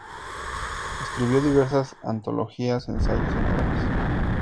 Escribió diversas antologías, ensayos y novelas.